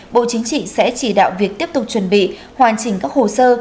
bộ chính trị sẽ chỉ đạo việc tiếp tục chuẩn bị hoàn chỉnh các hồ sơ